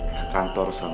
ke kantor suami kamu